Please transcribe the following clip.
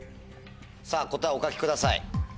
さぁ答えお書きください。